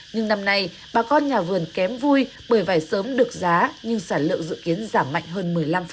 nhưng năm nay bà con nhà vườn kém vui bởi vải sớm được giá nhưng sản lượng dự kiến giảm mạnh hơn một mươi năm